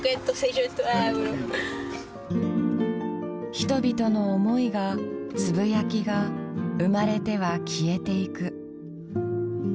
人々の思いがつぶやきが生まれては消えていく。